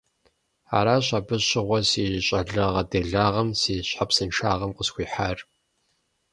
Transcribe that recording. Аращ абы щыгъуэ си щӀалагъэ-делагъэм, си щхьэпсыншагъэм къысхуихьар.